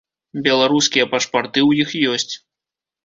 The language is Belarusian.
Беларускія пашпарты ў іх ёсць.